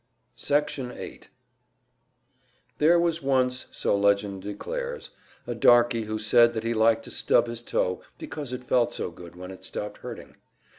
Section 8 There was once, so legend declares, a darky who said that he liked to stub his toe because it felt so good when it stopped hurting.